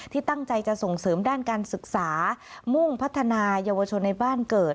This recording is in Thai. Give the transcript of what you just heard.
ที่ตั้งใจจะส่งเสริมด้านการศึกษามุ่งพัฒนายาวชนในบ้านเกิด